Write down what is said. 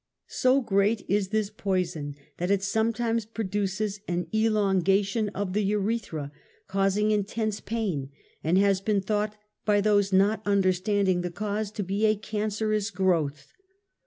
So great is this poison that it sometimes produces an elongation of the urethra, causing in tense pain, and has been thought by those not un derstanding the cause to be a cancerous growth.